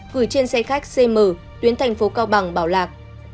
gửi trên xe khách cm tuyến tp cao bằng bảo lạc